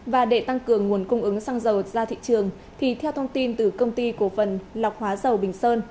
và để tăng cường nguồn cung ứng xăng dầu ra thị trường thì theo thông tin từ công ty cổ phần lọc hóa dầu bình sơn